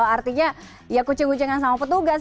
artinya ya kucing kucingan sama petugas